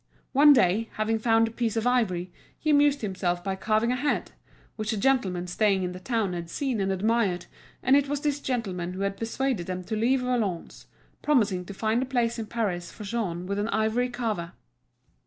One day, having found a piece of ivory, he amused himself by carving a head, which a gentleman staying in the town had seen and admired, and it was this gentleman who had persuaded them to leave Valognes, promising to find a place in Paris for Jean with an ivory carver.